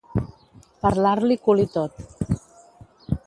Parlar-li cul i tot.